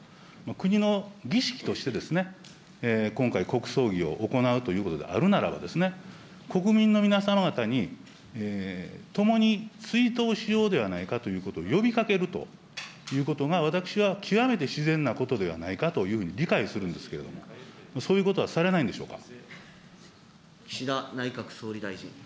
国の儀式として今回、国葬儀を行うということであるならばですね、国民の皆様方に、共に追悼しようではないかということを呼びかけるということが、私は極めて自然なことではないかというふうに理解するんですけれども、そういうことはされないんでしょうか。